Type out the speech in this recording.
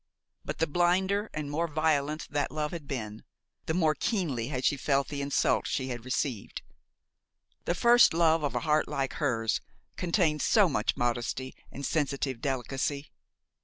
But the blinder and more violent that love had been, the more keenly had she felt the insult she had received; the first love of a heart like hers contains so much modesty and sensitive delicacy!